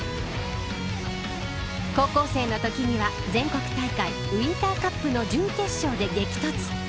高校生のときには全国大会ウインターカップの準決勝で激突。